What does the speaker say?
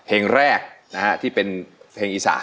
เพลงแรกนะฮะที่เป็นเพลงอีสาน